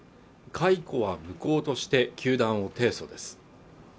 解雇は無効として球団を提訴です